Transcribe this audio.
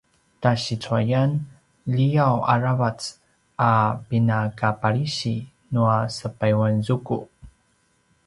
tasicuayan liav aravac a pinakapalisi nua sepayuanzuku